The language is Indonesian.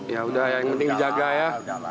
ya udah yang penting dijaga ya